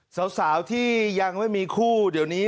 สาวที่ยังไม่มีคู่เดี๋ยวนี้